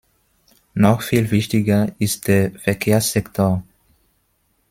Noch viel wichtiger ist der Verkehrssektor.